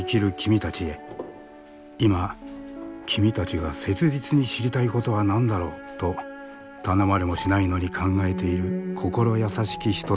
今君たちが切実に知りたいことは何だろう？と頼まれもしないのに考えている心優しき人たちがいる。